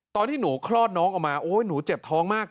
ตอนที่หนูคลอดน้องออกมาโอ๊ยหนูเจ็บท้องมาก